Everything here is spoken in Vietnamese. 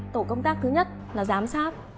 tổ công tác thứ nhất là giám sát